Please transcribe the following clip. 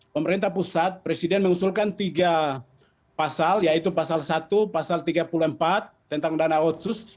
pemerintah pusat presiden mengusulkan tiga pasal yaitu pasal satu pasal tiga puluh empat tentang dana otsus